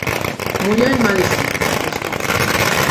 Murió en Madison, Wisconsin.